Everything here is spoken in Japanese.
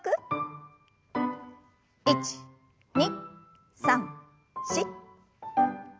１２３４。